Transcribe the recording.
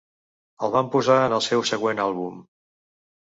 El van posar en el seu següent àlbum.